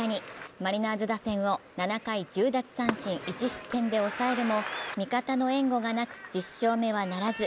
マリナーズ打線を７回１０奪三振１失点で抑えるも味方の援護がなく、１０勝目はならず。